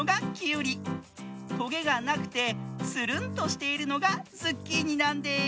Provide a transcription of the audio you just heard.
トゲがなくてつるんとしているのがズッキーニなんです。